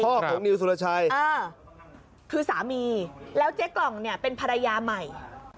ของนิวสุรชัยคือสามีแล้วเจ๊กล่องเนี่ยเป็นภรรยาใหม่